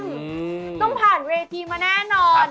ต้องผ่านเวทีมาแน่นอน